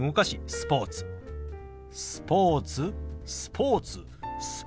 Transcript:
「スポーツ」「スポーツ」「スポーツ」。